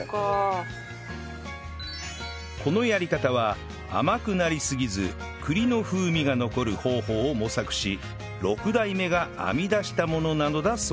このやり方は甘くなりすぎず栗の風味が残る方法を模索し六代目が編み出したものなのだそう